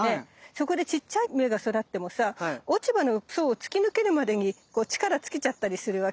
そこでちっちゃい芽が育ってもさ落ち葉の層を突き抜けるまでに力尽きちゃったりするわけよ。